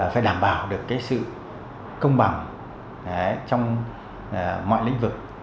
phải đảm bảo được sự công bằng trong mọi lĩnh vực